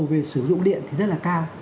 về sử dụng điện thì rất là cao